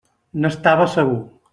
N'estava segur.